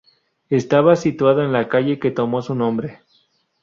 Estaba situado en la calle que tomó su nombre.